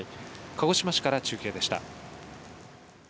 鹿児島市から中継でした。